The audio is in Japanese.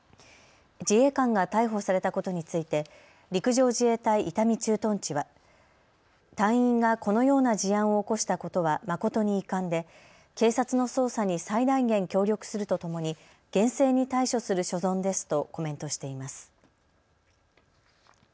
自衛官が逮捕されたことについて陸上自衛隊伊丹駐屯地は隊員がこのような事案を起こしたことは誠に遺憾で警察の捜査に最大限協力するとともに厳正に対処する所存ですとコメントしています。